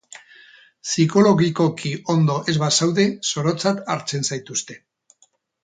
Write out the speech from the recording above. Psikologikoki ondo ez bazaude zorotzat hartzen zaituzte